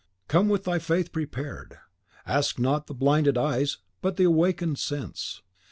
Come with thy faith prepared. I ask not the blinded eyes, but the awakened sense.